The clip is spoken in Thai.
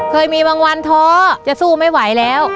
เคยมีบางวันท้อจะสู้ไม่ไหวแล้ว